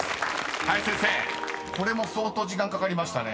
［林先生これも相当時間かかりましたね］